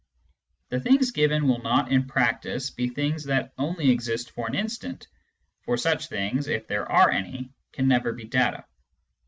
The things given will not, in practice, be things that only exist for an instant, for such things, if there are any, can never be data.